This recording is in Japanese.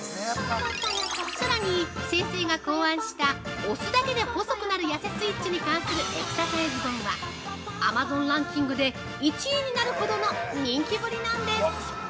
さらに、先生が考案した押すだけで細くなるやせスイッチに関するエクササイズ本はＡｍａｚｏｎランキングで１位になるほどの人気ぶりなんです。